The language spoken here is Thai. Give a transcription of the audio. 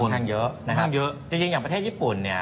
ค่อนข้างเยอะจริงอย่างประเทศญี่ปุ่นเนี่ย